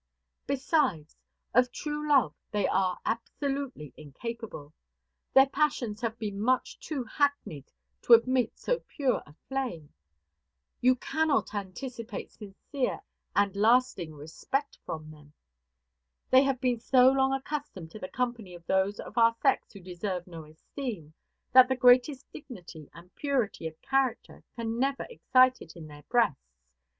Besides, of true love they are absolutely incapable. Their passions have been much too hackneyed to admit so pure a flame. You cannot anticipate sincere and lasting respect from them. They have been so long accustomed to the company of those of our sex who deserve no esteem, that the greatest dignity and purity of character can never excite it in their breasts.